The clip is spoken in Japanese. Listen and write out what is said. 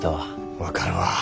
分かるわ。